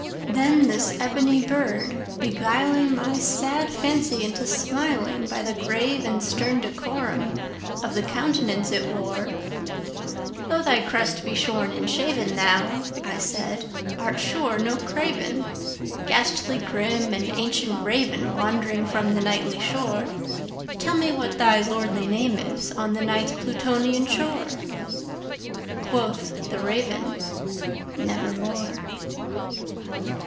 Then this ebony bird beguiling my sad fancy into smilingBy the grave and stern decorum of the countenance it wore,—"Though thy crest be shorn and shaven, thou," I said, "art sure no craven, Ghastly grim and ancient Raven wandering from the Nightly shore:Tell me what thy lordly name is on the Night's Plutonian shore!"Quoth the Raven, "Nevermore."